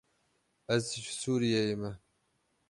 Ez ji Sûriyeyê me.